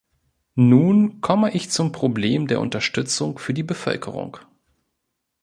Nun komme ich zum Problem der Unterstützung für die Bevölkerung.